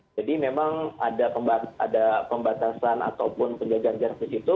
jadi memang ada pembatasan ataupun penjagaan jarak di situ